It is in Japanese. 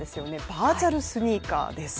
バーチャルスニーカーです。